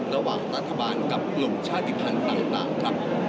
ระหว่างรัฐบาลกับกลุ่มชาติภัณฑ์ต่างครับ